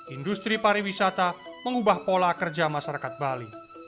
industri pariwisata mengubah pola kerja masyarakat bali